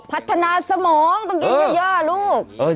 พัฒนาสมองต้องกินเยอะลูก